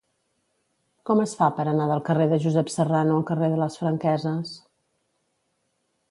Com es fa per anar del carrer de Josep Serrano al carrer de les Franqueses?